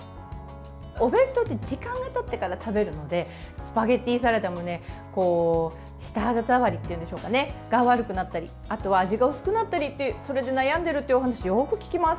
お弁当って時間がたってから食べるのでスパゲッティサラダの舌触りが悪くなったりあとは味が薄くなったりってそれで悩んでいるというお話よく聞きます。